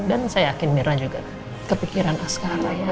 dan saya yakin mirna juga kepikiran asqara ya